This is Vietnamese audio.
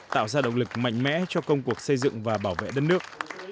tạo ra động lực mạnh mẽ cho công cuộc xây dựng và bảo vệ đất nước